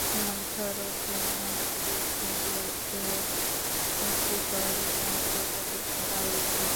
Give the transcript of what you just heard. ভারত ছাড়াও কেইম্যান দ্বীপপুঞ্জে এর একটি সহযোগী আন্তর্জাতিক শাখা রয়েছে।